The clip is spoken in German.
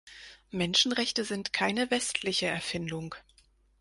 Menschenrechte sind keine westliche Erfindung.